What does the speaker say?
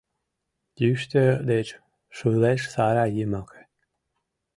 Йӱштӧ деч шылеш сарай йымаке